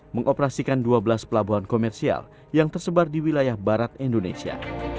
mengoperasikan dua belas pelabuhan komersial yang tersebar di wilayah barat indonesia